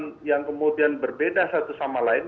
kita kemudian berpikirnya yang berbeda satu sama lain